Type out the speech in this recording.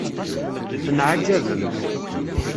Tenεaǧabem.